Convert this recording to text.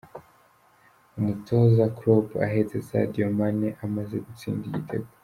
Umutoza Kloop ahetse Sadio Mane amaze gutsinda igitego.